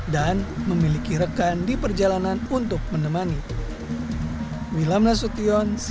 dan memiliki rekan di perjalanan untuk menemani